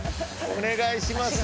お願いします